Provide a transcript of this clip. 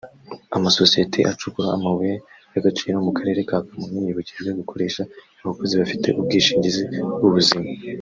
Amasosiyeti acukura amabuye y’agaciro mu Karere ka Kamonyi yibukijwe gukoresha abakozi bafite ubwishingizi bw’ubuzima